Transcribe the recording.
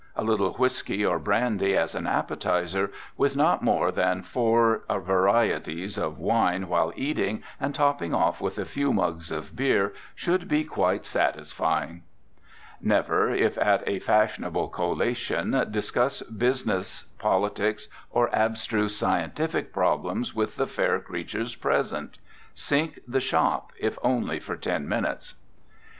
A little whisky or brandy as an appetizer, with not more than four varieties of wine while eating, and topping off with a few mugs of beer, should be quite satisfying. Never, if at a fashionable collation, discuss business, politics or abstruse scientific problems with the fair creatures present. Sink the shop, if only for ten minutes.